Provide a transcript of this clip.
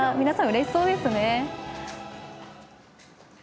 皆さん、うれしそうですね。